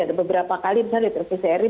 ada beberapa kali di televisi ri